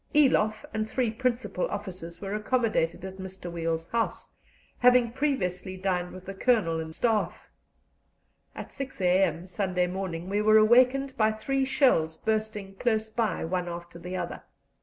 Eloff and three principal officers were accommodated at Mr. Weil's house, having previously dined with the Colonel and Staff. At 6 a.m. Sunday morning we were awakened by three shells bursting close by, one after the other.